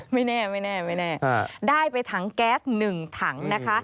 ไม่แน่ได้ไปถังแก๊ส๑ถังนะคะ